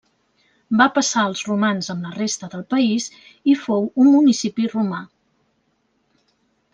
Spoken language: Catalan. Va passar als romans amb la resta del país i fou un municipi romà.